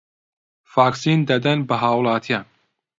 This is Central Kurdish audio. ڤاکسین دەدەن بە هاووڵاتیان